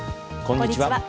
こんにちは。